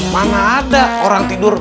mana ada orang tidur